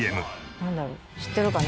なんだろう知ってるかな？